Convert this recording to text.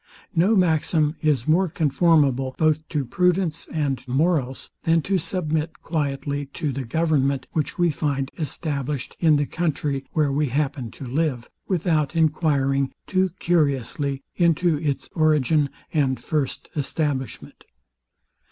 No maxim is more conformable, both to prudence and morals, than to submit quietly to the government, which we find established in the country where we happen to live, without enquiring too curiously into its origin and first establishment.